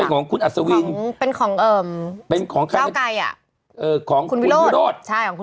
ของคุณวิโรธเนี่ยคุณวิโรธ